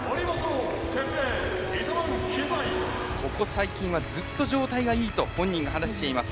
ここ最近はずっと状態がいいと本人が話しています。